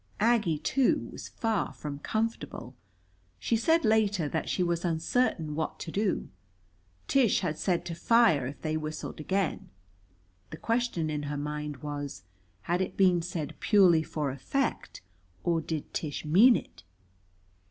Aggie, too, was far from comfortable. She said later that she was uncertain what to do. Tish had said to fire if they whistled again. The question in her mind was, had it been said purely for effect or did Tish mean it?